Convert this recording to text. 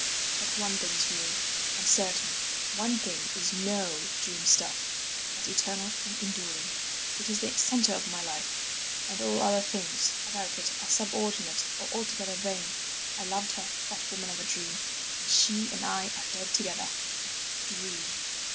But one thing is real and certain, one thing is no dream stuff, but eternal and enduring. It is the centre of my life, and all other things about it are subordinate or altogether vain. I loved her, that woman of a dream. And she and I are dead together! "A dream!